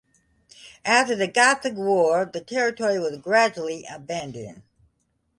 After the Gothic War the territory was gradually abandoned.